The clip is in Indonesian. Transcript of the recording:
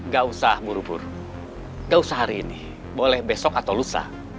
gak usah buru buru gak usah hari ini boleh besok atau lusa